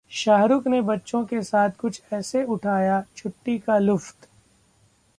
शाहरुख ने बच्चों के साथ कुछ ऐसे उठाया छुट्टी का लुत्फ